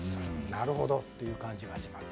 なるほどという感じがします。